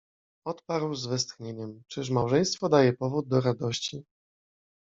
Odparł z westchnieniem: „Czyż małżeństwo daje powód do radości?”.